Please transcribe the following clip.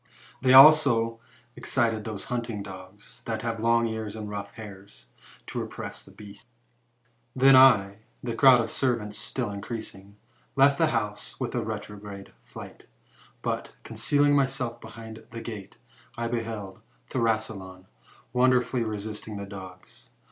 They also excited those hunting dogs, that have long ears and rough hairs, to repress the beast Then I, the crowd of servants still increasing, left the house with a retrograde flight ; but, concealing myself behind the gate, I be held Thrasyleon wonderfully resisting the dogs.